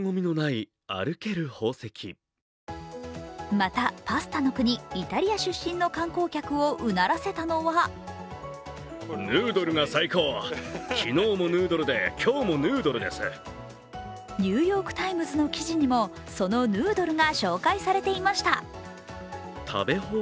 またパスタの国、イタリア出身の観光客をうならせたのは「ニューヨーク・タイムズ」の記事にも、そのヌードルが紹介されていました。